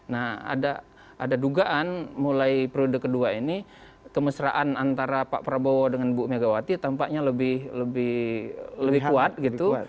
nah ada dugaan mulai periode kedua ini kemesraan antara pak prabowo dengan bu megawati tampaknya lebih kuat gitu